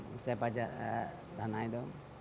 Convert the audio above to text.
misalnya pajak tanah itu